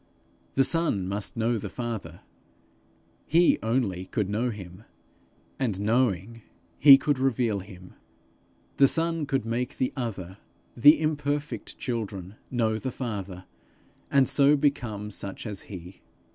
The Son must know the Father; he only could know him and knowing, he could reveal him; the Son could make the other, the imperfect children, know the Father, and so become such as he.